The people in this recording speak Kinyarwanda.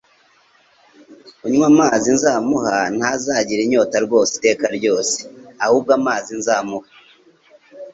«Unywa amazi nzamuha ntazagira inyota rwose iteka ryose, ahubwo amazi nzamuha,